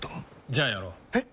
じゃあやろう。え？